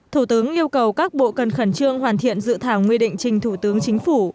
thủ tướng yêu cầu các bộ cần khẩn trương hoàn thiện dự thảo nguy định trình thủ tướng chính phủ